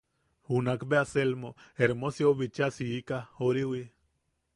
Junak bea Selmo Hermosiou bicha siika oriwi.